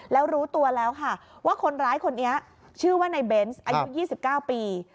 แล้วรู้ตัวแล้วค่ะว่าคนร้ายคนนี้ชื่อว่าในเบนส์อายุ๒๙ปี